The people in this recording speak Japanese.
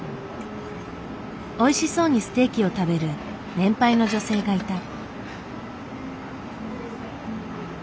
おいしそうにステーキを食べる年配の女性がいた。